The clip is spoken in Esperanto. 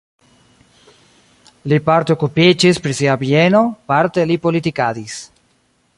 Li parte okupiĝis pri sia bieno, parte li politikadis.